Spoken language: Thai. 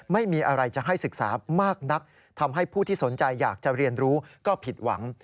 ไม่มีอะไรจะให้ศึกษามากนักทำให้ผู้ที่สนใจอยากจะเรียนรู้ก็ผิดหวัง